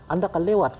anda akan lewat